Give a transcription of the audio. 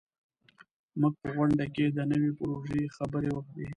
موږ په غونډه کې د نوي پروژې خبرې وکړې.